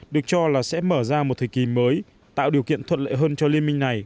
được cho là sẽ mở ra một thời kỳ mới tạo điều kiện thuận lợi hơn cho liên minh này